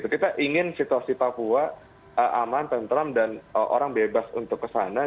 kita ingin situasi papua aman tentram dan orang bebas untuk kesana